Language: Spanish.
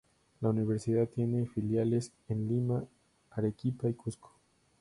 La universidad tiene filiales en Lima, Arequipa y Cusco.